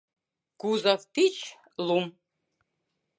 Кузов тич лум.